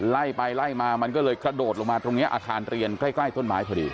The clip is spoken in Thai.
ไล่ไปไล่มามันก็เลยกระโดดลงมาตรงนี้อาคารเรียนใกล้ต้นไม้พอดี